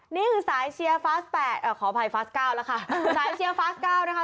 นี่คือสายเชียร์ฟาส๘ขออภัยฟาสเก้าแล้วค่ะสายเชียร์ฟาสเก้านะคะ